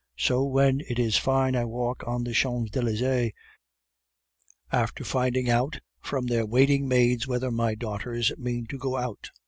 So when it is fine I walk out in the Champs Elysees, after finding out from their waiting maids whether my daughters mean to go out.